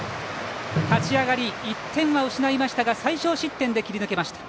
立ち上がり、１点は失いましたが最少失点で切り抜けました。